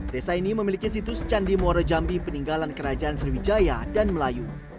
desa ini memiliki situs candi muara jambi peninggalan kerajaan sriwijaya dan melayu